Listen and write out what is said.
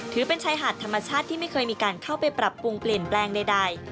ถือเป็นชายหาดธรรมชาติที่ไม่เคยมีการเข้าไปปรับปรุงเปลี่ยนแปลงใด